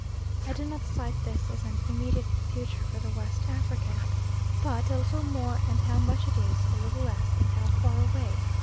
I do not cite this as an immediate future for the West African, but "a little more and how much it is, a little less and how far away."